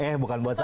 eh bukan buat saya